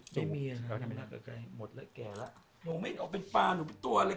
เราจะไปรักกับใครหมดแล้วแก่ละหนูไม่ได้ออกไปฟ้าหนูเป็นตัวอะไร